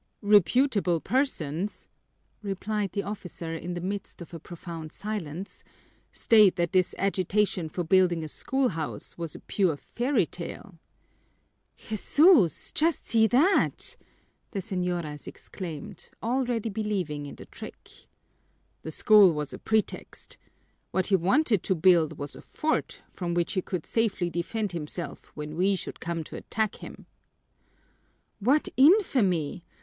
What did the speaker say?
"Reputable persons," replied the officer in the midst of a profound silence, "state that this agitation for building a schoolhouse was a pure fairy tale." "Jesús! Just see that!" the señoras exclaimed, already believing in the trick. "The school was a pretext. What he wanted to build was a fort from which he could safely defend himself when we should come to attack him." "What infamy!